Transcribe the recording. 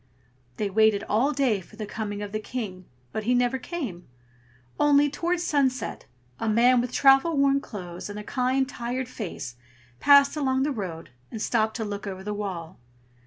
They waited all day for the coming of the King, but he never came; only, towards sunset, a man with travel worn clothes, and a kind, tired face passed along the road, and stopped to look over the wall.